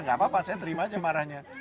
tidak apa apa saya terima saja marahnya